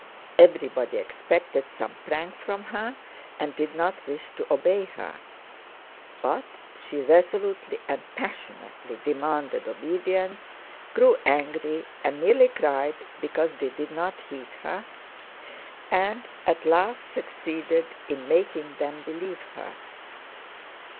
Everybody expected some prank from her and did not wish to obey her; but she resolutely and passionately demanded obedience, grew angry and nearly cried because they did not heed her, and at last succeeded in making them believe her.